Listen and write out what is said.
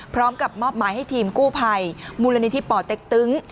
พร้อมกับมอบหมายให้ทีมกู้ภัยมูลนิธิป่อเต็กตึง